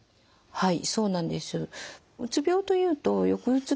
はい。